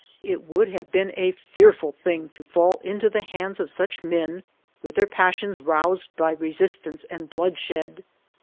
It would have been a fearful thing to fall into the hands of such men, with their pas sions roused by resistance and bloodshed.